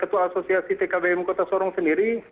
ketua asosiasi tkbm kota sorong sendiri